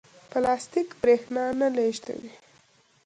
پلاستیک برېښنا نه لېږدوي.